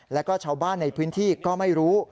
แล้วก็ชาวบ้านในพื้นที่ก็ไม่รู้